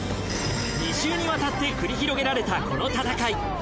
２週にわたって繰り広げられたこの戦い。